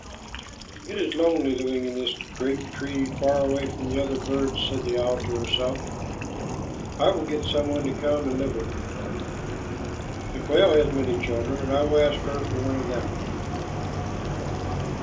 "It is lonely living in this great tree far away from the other birds," said the owl to herself. "I will get some one to come and live with me. The quail has many children, and I will ask her for one of them."